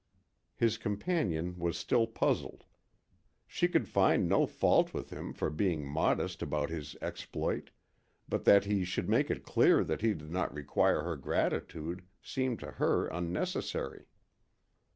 His companion was still puzzled. She could find no fault with him for being modest about his exploit, but that he should make it clear that he did not require her gratitude seemed to her unnecessary.